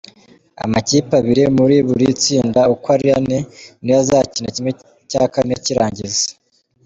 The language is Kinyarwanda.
Amakipe abiri muri buri tsinda uko ari ane niyo azakina ¼ cy’irangiza.